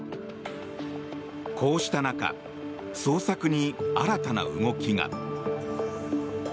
こうした中捜索に新たな動きが。